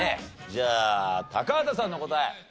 じゃあ高畑さんの答え。